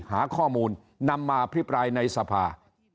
หาข้อมูลนำมาอภิปรายในสภา